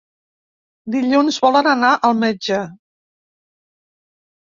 Dilluns volen anar al metge.